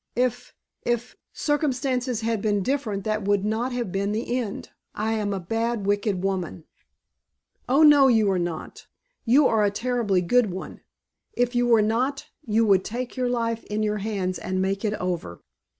If if circumstances had been different that would not have been the end. I am a bad wicked woman." "Oh, no, you are not. You are a terribly good one. If you were not you would take your life in your hands and make it over."